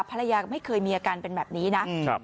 ภรรยาก็ไม่เคยมีอาการเป็นแบบนี้นะ